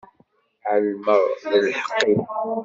Ɛelmeɣ d lḥeqq-ik.